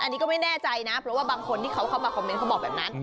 อันนี้ก็ไม่แน่ใจนะเพราะว่าบางคนที่เขาเข้ามาคอมเมนต์เขาบอกแบบนั้น